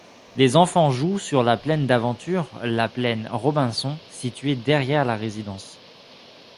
Les enfants jouent sur le terrain d’aventure la Plaine Robinson situé derrière la Résidence.